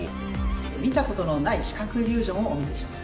見たことのない視覚イリュージョンをお見せします。